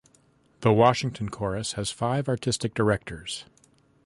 The Washington Chorus has had five artistic directors.